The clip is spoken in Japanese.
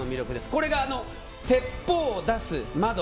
これが、鉄砲を出す窓。